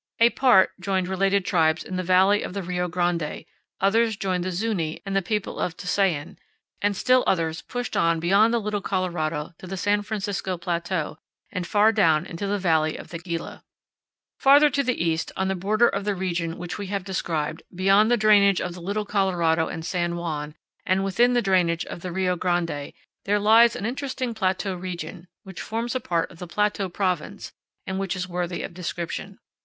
A part joined related tribes in the valley of the Bio Grande; others joined the Zuñi and the people of Tusayan; and stall others pushed on beyond the Little Colorado to the San Francisco Plateau and far down into the valley of the Gila. powell canyons 29.jpg AN ANCIENT COILED VASE FROM TUSAYAN. Farther to the east, on the border of the region which we have described, beyond the drainage of the Little Colorado and San Juan and within the drainage of the Rio Grande, there lies an interesting plateau region, which forms a part of the Plateau Province and which is worthy of description.